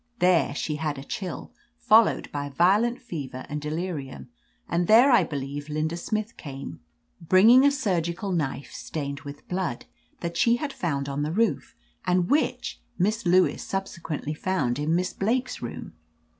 There she had a chill, followed by violent fever and de lirium, and there I believe Linda Smith came, bringing a surgical knife stained with blood, 202 OF LETITIA CARBERRY that she had found on the roof, and which Miss Lewis subsequently found in Miss Blake's room.